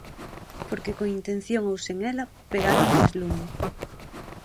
Porque, con intención ou sen ela, pegáronronlles lume.